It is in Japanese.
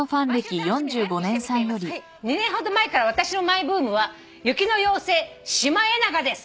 ２年ほど前から私のマイブームは雪の妖精シマエナガです」えっ！？